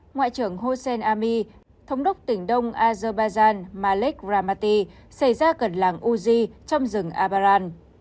ngoại trưởng hossein ami thống đốc tỉnh đông azerbajan malik ramati xảy ra gần làng uzi trong rừng abaran